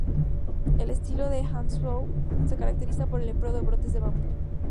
El estilo de Hangzhou se caracteriza por el empleo de brotes de bambú.